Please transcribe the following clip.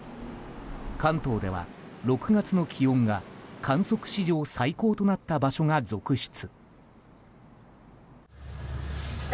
関東では６月の気温が観測史上最高となった場所が続出。